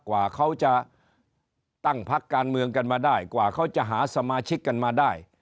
กว่าเขาจะตั้งพักการเมืองกันมาได้กว่าเขาจะหาสมาชิกกันมาได้